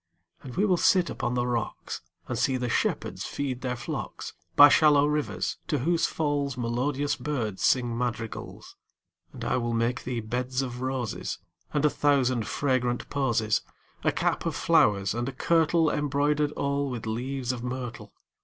And we will sit upon the rocks, 5 And see the shepherds feed their flocks By shallow rivers, to whose falls Melodious birds sing madrigals. And I will make thee beds of roses And a thousand fragrant posies; 10 A cap of flowers, and a kirtle Embroider'd all with leaves of myrtle.